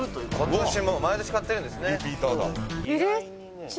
毎年買ってるんですね」